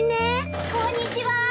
・・こんにちは。